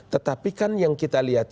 tetapi kan yang kita lihat